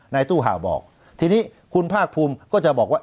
ตู้ห่าวบอกทีนี้คุณภาคภูมิก็จะบอกว่า